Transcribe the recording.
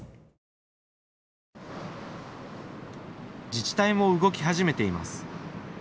自治体も動き始めています。